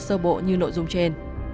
sơ bộ như nội dung trên